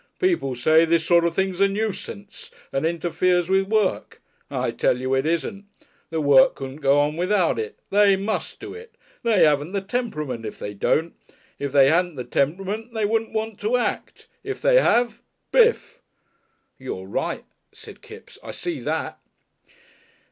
"People say this sort of thing's a nuisance and interferes with Work. I tell you it isn't. The Work couldn't go on without it. They must do it. They haven't the Temperament if they don't. If they hadn't the Temperament they wouldn't want to act, if they have Bif!" "You're right," said Kipps. "I see that."